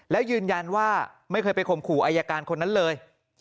แล้วยืนยันว่าไม่เคยไปข่มขู่อายการคนนั้นเลย